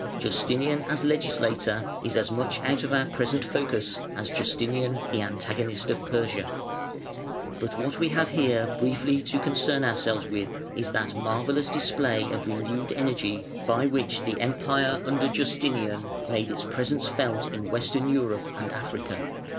Justinian as legislator is as much out of our present focus as Justinian the antagonist of Persia. But what we have here briefly to concern ourselves with is that marvellous display of renewed energy by which the Empire, under Justinian, made its presence felt in Western Europe and Africa.